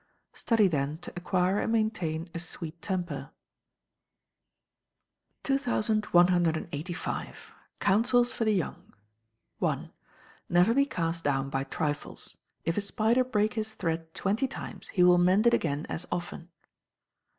Study, then, to acquire and maintain a sweet temper. 2185. Counsels for the Young. i. Never be cast down by trifles. If a spider break his thread twenty times, he will mend it again as often.